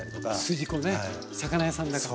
筋子ね魚屋さんだから。